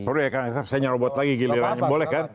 boleh ya kak ngesap saya nyarobot lagi gilirannya boleh kan